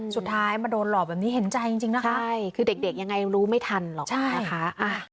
สุดท้ายมาโดนหลอกแบบนี้เห็นใจจริงนะคะใช่คือเด็กยังไงรู้ไม่ทันหรอกนะคะ